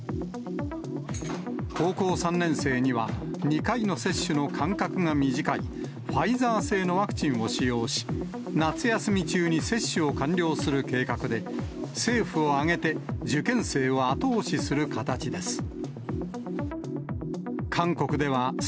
高校３年生には２回の接種の間隔が短い、ファイザー製のワクチンを使用し、夏休み中に接種を完了する計画で、政府を挙げて受験生を後押しする形です。